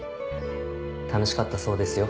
楽しかったそうですよ。